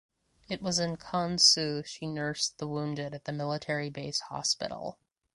It was in Kan Su she nursed the wounded at the military base hospital.